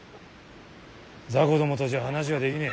雑魚どもとじゃ話はできねえ。